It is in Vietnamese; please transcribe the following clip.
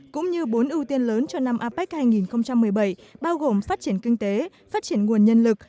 cũng như bốn ưu tiên lớn cho năm apec hai nghìn một mươi bảy bao gồm phát triển kinh tế phát triển nguồn nhân lực